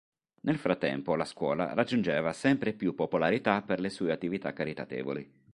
Nel frattempo la Scuola raggiungeva sempre più popolarità per le sue attività caritatevoli.